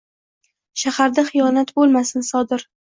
Shaharda xiyonat bo‘lmasin sodir.